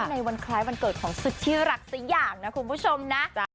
ในวันคล้ายวันเกิดของสุดที่รักสักอย่างนะคุณผู้ชมนะ